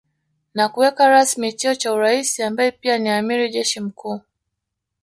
Na kuweka rasmi cheo cha uraisi ambaye pia ni amiri jeshi mkuu